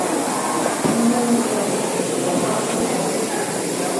Не маю нічога супраць беларускіх міністраў.